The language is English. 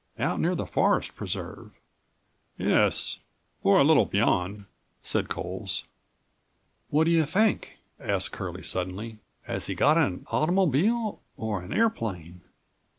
Out near the forest preserve." "Yes, or a little beyond," said Coles. "What do you think," asked Curlie suddenly, "has he got an automobile or an airplane?"